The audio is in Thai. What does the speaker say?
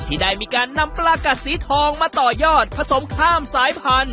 ที่ได้มีการนำปลากัดสีทองมาต่อยอดผสมข้ามสายพันธุ